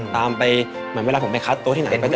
ตามไปเหมือนเวลาผมไปคัดโต๊ะที่ไหน